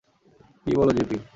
কি বলো, জেপি?